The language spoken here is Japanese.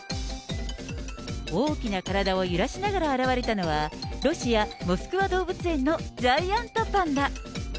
大きな体を揺らしながら現れたのは、ロシア・モスクワ動物園のジャイアントパンダ。